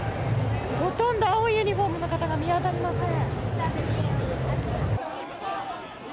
ほとんど、青いユニホームの方が見当たりません。